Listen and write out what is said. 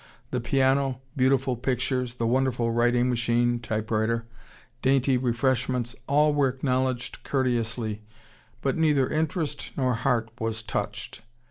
The piano, beautiful pictures, the wonderful writing machine (typewriter), dainty refreshments, all were acknowledged courteously, but, neither interest nor heart was touched.